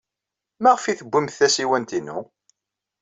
Maɣef ay tewwimt tasiwant-inu?